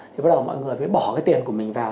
thì bắt đầu mọi người phải bỏ cái tiền của mình vào